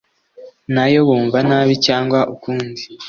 nayo bumva nabi cyangwa ukundi